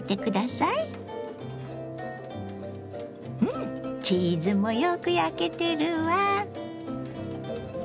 うんチーズもよく焼けてるわ！